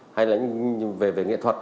hay là về nghệ thuật